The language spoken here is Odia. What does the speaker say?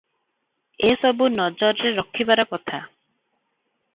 ଏ ସବୁ ନଜରରେ ରଖିବାର କଥା ।